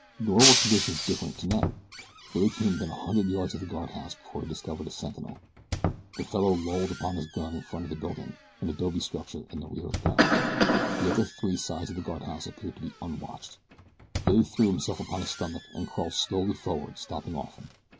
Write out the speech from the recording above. Nor were conditions different tonight. Billy came within a hundred yards of the guardhouse before he discovered a sentinel. The fellow lolled upon his gun in front of the building an adobe structure in the rear of the barracks. The other three sides of the guardhouse appeared to be unwatched. Billy threw himself upon his stomach and crawled slowly forward stopping often.